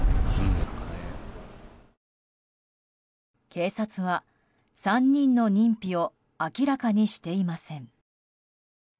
警察は３人の認否を明らかにしていません。